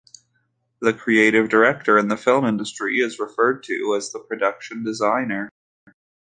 The creative director in the film industry is referred to as the production designer.